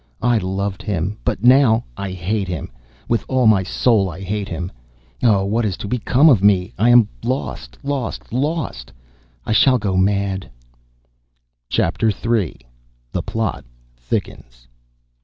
I loved him but now I hate him! With all, my soul I hate him! Oh, what is to become of me! I am lost, lost, lost! I shall go mad!" CHAPTER III. THE PLOT THICKENS.